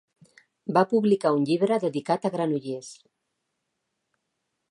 Va publicar un llibre dedicat a Granollers.